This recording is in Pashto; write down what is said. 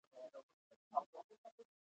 تاته چا وویل چې دلته راشه؟